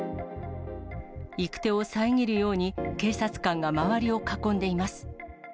行く手を遮るように、警察官が周りを囲んでいます。